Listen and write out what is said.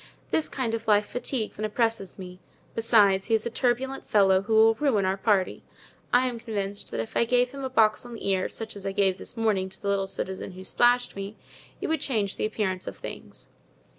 This kind of life fatigues and oppresses me; besides, he is a turbulent fellow, who will ruin our party. I am convinced that if I gave him a box on the ear, such as I gave this morning to the little citizen who splashed me, it would change the appearance of things."